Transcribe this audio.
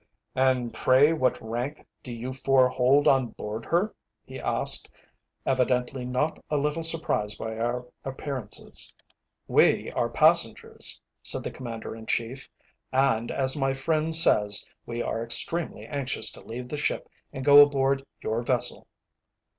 "And pray what rank do you four hold on board her?" he asked, evidently not a little surprised by our appearances. "We are passengers," said the Commander in Chief, "and, as my friend says, we are extremely anxious to leave the ship and go aboard your vessel."